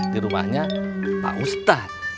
di rumahnya pak ustadz